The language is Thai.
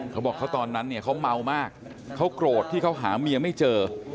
เขาบอกเขาตอนนั้นเนี่ยเขาเมามากเขาโกรธที่เขาหาเมียไม่เจอ